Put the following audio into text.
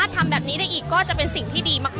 อาจจะออกมาใช้สิทธิ์กันแล้วก็จะอยู่ยาวถึงในข้ามคืนนี้เลยนะคะ